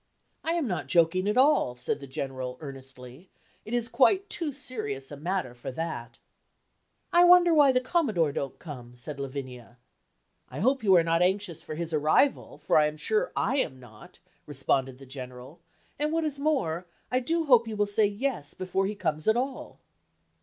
"I am not joking at all," said the General, earnestly, "it is quite too serious a matter for that." "I wonder why the Commodore don't come?" said Lavinia. "I hope you are not anxious for his arrival, for I am sure I am not," responded the General, "and what is more, I do hope you will say 'yes,' before he comes at all!"